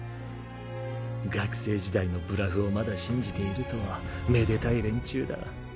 学生時代のブラフをまだ信じているとはめでたい連中だ。